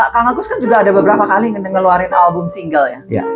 kang agus kan juga ada beberapa kali ngeluarin album single ya